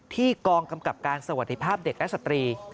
กองกำกับการสวัสดีภาพเด็กและสตรี